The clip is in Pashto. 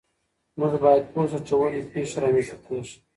موږ باید پوه سو چې ولې پیښې رامنځته کیږي.